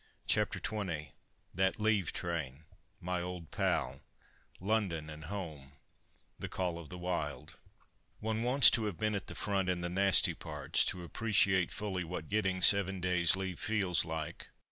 CHAPTER XX THAT LEAVE TRAIN MY OLD PAL LONDON AND HOME THE CALL OF THE WILD One wants to have been at the front, in the nasty parts, to appreciate fully what getting seven days' leave feels like.